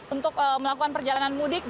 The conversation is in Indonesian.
untuk melakukan perjalanan mudik